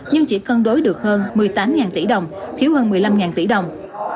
nhưng chỉ cân đối được hơn một mươi tám tỷ đồng thiếu hơn một mươi năm tỷ đồng